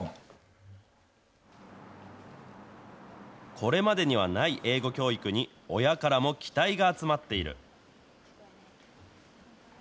これまでにはない英語教育に、親からも期待が集まっている。